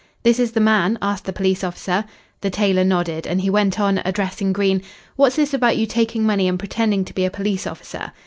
"This is the man?" asked the police officer. The tailor nodded, and he went on, addressing Green, "What's this about you taking money and pretending to be a police officer?"